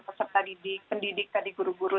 peserta pendidikan di guru guru